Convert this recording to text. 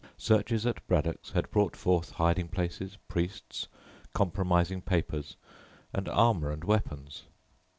Searches at Braddocks had brought forth hiding places, priests, compromising papers, and armour and weapons.